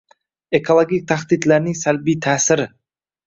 Ekologik tahdidlarning salbiy ta’siring